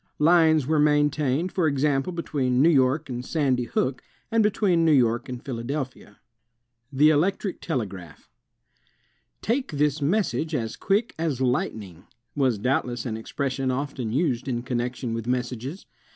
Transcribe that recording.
Lines were maintained, for example, between New York and Sandy Hook, and between New York and Philadelphia. The Electric Tele graph "Take this message as quick as lightning," was doubtless an expres sion often used in con nection with messages.